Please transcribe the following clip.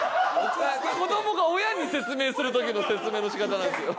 子どもが親に説明する時の説明の仕方なんですよ。